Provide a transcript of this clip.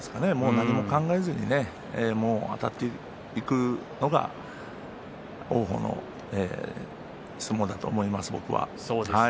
何も考えずにあたっていくのが王鵬の相撲だと思います、僕は。